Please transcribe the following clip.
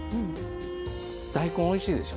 大根、おいしいでしょ。